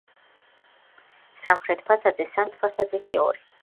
სამხრეთ ფასადზე სამი ასეთი თაღია, დასავლეთ ფასადზე კი ორი.